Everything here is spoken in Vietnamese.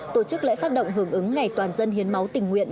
tổ chức lễ phát động hưởng ứng ngày toàn dân hiến máu tình nguyện